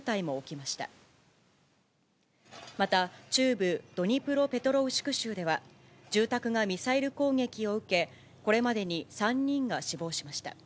また中部ドニプロペトロウシク州では、住宅がミサイル攻撃を受け、これまでに３人が死亡しました。